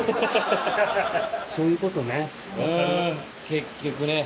結局ね。